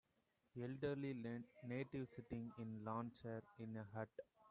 Elderly native sitting in lawn chair in a hut.